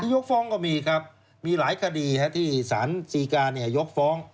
ยกฟ้องก็มีครับมีหลายคดีที่สารศรีกายกฟ้อง